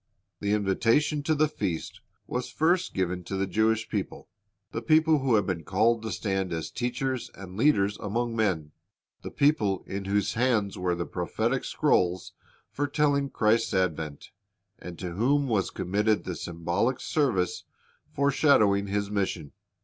The invitation to the feast was first given to the Jewish people, the people who had been called to stand as teachers and leaders among men, the people in whose hands were the prophetic scrolls foretelling Christ's advent, and to whom was committed the symbolic service foreshadowing His mission.